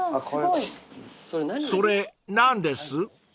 ［それ何です？］